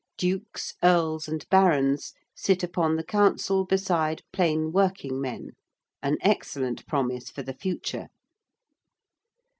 Dukes, Earls and Barons, sit upon the Council beside plain working men an excellent promise for the future.